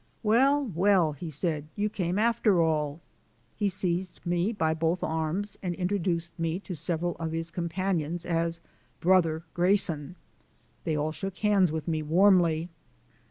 "Well, well," he said; "you came after all!" He seized me by both arms and introduced me to several of his companions as "Brother Grayson." They all shook hands with me warmly.